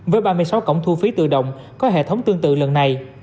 với ba mươi sáu cổng thu phí tự động có hệ thống tương tự lần này